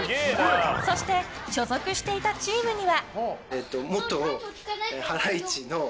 そして所属していたチームには。